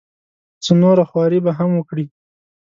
څه نوره خواري به هم وکړي.